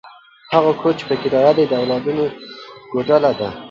هغه کور چې په کرایه دی، د اولادونو کوډله ده.